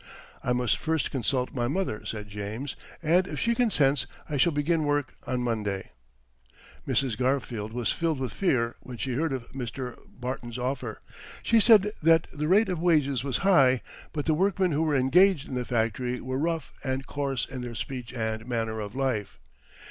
"I must first consult my mother," said James, "and if she consents, I will begin work on Monday." Mrs. Garfield was filled with fear when she heard of Mr. Barton's offer. She said that the rate of wages was high, but the workmen who were engaged in the factory were rough and coarse in their speech and manner of life.